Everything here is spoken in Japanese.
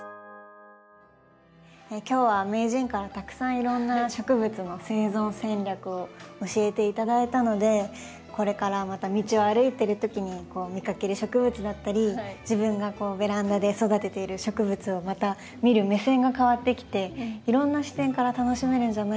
今日は名人からたくさんいろんな植物の生存戦略を教えて頂いたのでこれからまた道を歩いてるときに見かける植物だったり自分がベランダで育てている植物をまた見る目線が変わってきていろんな視点から楽しめるんじゃないかなと思いました。